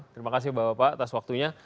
terima kasih bapak bapak atas waktunya